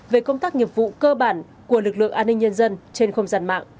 về công tác nghiệp vụ cơ bản của lực lượng an ninh nhân dân trên không gian mạng